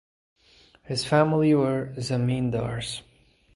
His family were zamindars.